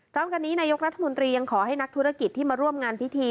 พร้อมกันนี้นายกรัฐมนตรียังขอให้นักธุรกิจที่มาร่วมงานพิธี